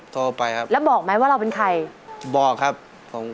โทรไปครับแล้วบอกไหมว่าเราเป็นใครแล้วบอกไหมว่าเราเป็นใคร